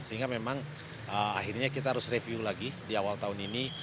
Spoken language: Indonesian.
sehingga memang akhirnya kita harus review lagi di awal tahun ini